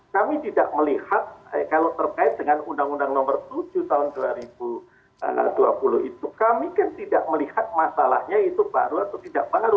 kami tidak melihat kalau terkait dengan undang undang nomor tujuh tahun dua ribu dua puluh itu kami kan tidak melihat masalahnya itu baru atau tidak baru